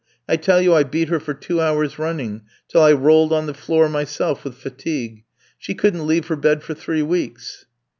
I tell you I beat her for two hours running, till I rolled on the floor myself with fatigue. She couldn't leave her bed for three weeks."